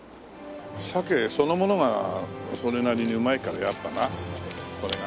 鮭そのものがそれなりにうまいからやっぱなこれが。